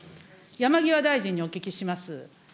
山際大臣にお聞きします。